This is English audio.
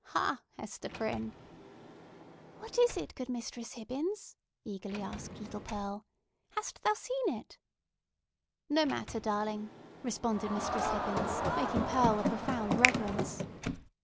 Ha, Hester Prynne?" "What is it, good Mistress Hibbins?" eagerly asked little Pearl. "Hast thou seen it?" "No matter, darling!" responded Mistress Hibbins, making Pearl a profound reverence.